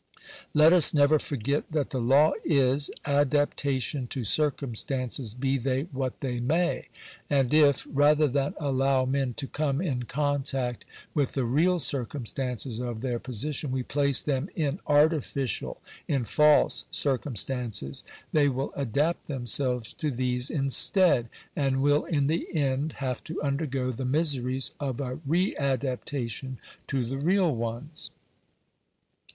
Let us never forget that the law is — adaptation to cir cumstances, be they what they may. And if, rather than allow men to come in contact with the real circumstances of their position, we place them in artificial — in false circumstances, they will adapt themselves to these instead; and will, in the end, have to undergo the miseries of a re adaptation to the real ones.